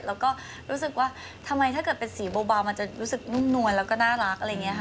แล้วก็รู้สึกว่าทำไมถ้าเกิดเป็นสีเบามันจะรู้สึกนุ่มนวลแล้วก็น่ารักอะไรอย่างนี้ค่ะ